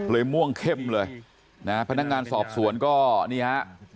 ม่วงเข้มเลยนะฮะพนักงานสอบสวนก็นี่ฮะ